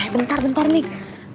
bentar bentar nih